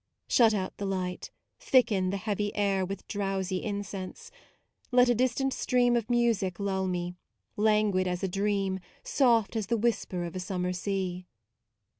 Shut out the light; thicken the heavy air With drowsy incense; let a distant stream Of music lull me, languid as a dream Soft as the whisper of a Summer sea.